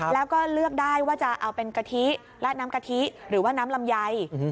แล้วก็เลือกได้ว่าจะเอาเป็นกะทิและน้ำกะทิหรือว่าน้ำลำไย